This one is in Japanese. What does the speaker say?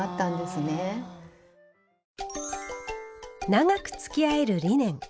長くつきあえるリネン。